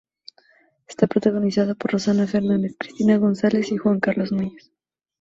Está protagonizada por Rossana Fernández, Christian González y Juan Carlos Núñez.